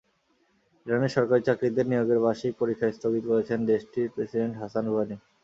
ইরানে সরকারি চাকরিতে নিয়োগের বার্ষিক পরীক্ষা স্থগিত করেছেন দেশটির প্রেসিডেন্ট হাসান রুহানি।